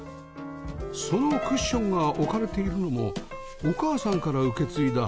そのクッションが置かれているのもお母さんから受け継いだ